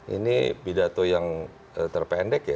ini pidato yang terpendek ya